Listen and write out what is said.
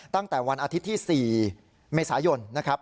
ตั้งแต่วันอาทิตย์ที่๔เมษายนนะครับ